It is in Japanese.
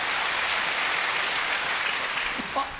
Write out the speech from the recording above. あっ！